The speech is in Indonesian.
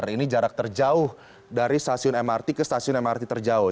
ini jarak terjauh dari stasiun mrt ke stasiun mrt terjauh